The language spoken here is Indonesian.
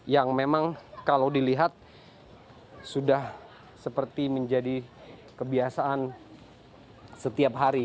yang memang kalau dilihat sudah seperti menjadi kebiasaan setiap hari